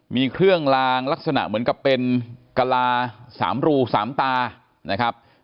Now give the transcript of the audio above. มีเครื่องลางลักษณะเหมือนกับเป็นกะลา๓รู๓ตานะครับ